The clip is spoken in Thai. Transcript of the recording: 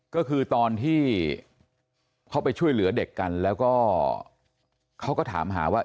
ก็คือตอนที่เขาไปช่วยเหลือเด็กกันแล้วก็เขาก็ถามหาว่า